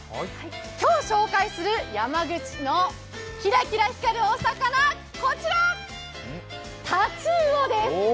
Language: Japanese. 今日紹介する山口のキラキラ光るお魚、こちら、タチウオです。